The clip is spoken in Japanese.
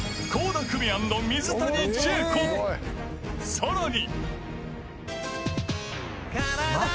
［さらに］